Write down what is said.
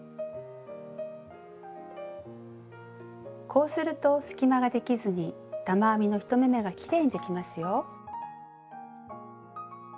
こうすると隙間ができずに玉編みの１目めがきれいにできますよ。